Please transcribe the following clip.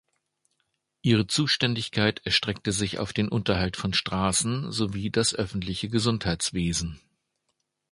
Ihre Zuständigkeit erstreckte sich auf den Unterhalt von Straßen sowie das öffentliche Gesundheitswesen.